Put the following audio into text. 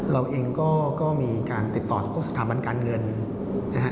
เราเองก็มีการติดต่อสถาบันการเงินนะฮะ